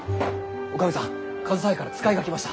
女将さん上総屋から使いが来ました。